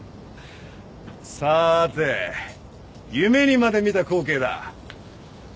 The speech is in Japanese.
さーて夢にまで見た光景だ。